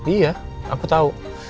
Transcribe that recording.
iya aku tahu